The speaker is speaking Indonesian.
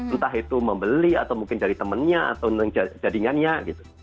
entah itu membeli atau mungkin dari temennya atau jaringannya gitu